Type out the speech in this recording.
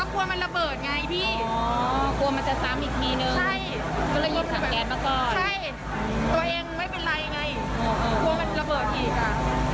ควรมันระเบิดอีกค่ะ